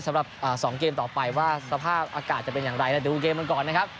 สำหรับ๒เกมต่อไปว่าสภาพอากาศจะเป็นอย่างไรแต่ดูเกมกันก่อนนะครับ